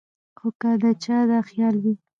خو کۀ د چا دا خيال وي